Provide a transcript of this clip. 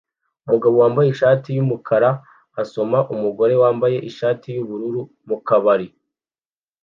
Umugabo wambaye ishati yumukara asoma umugore wambaye ishati yubururu mukabari